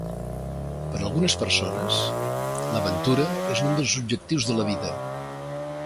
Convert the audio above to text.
Per algunes persones, l'aventura és un dels objectius de la vida.